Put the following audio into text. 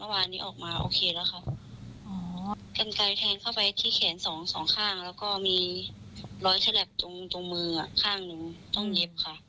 วันนี้ขอพาเขาไปที่แขนสองข้างแล้วก็หลอยฉลับตรงมือข้างหนูต้องเหย็บค่ะ